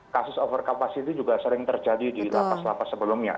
kasus over capacity juga sering terjadi di lapas lapas sebelumnya